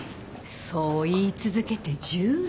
そう言い続けて１０年。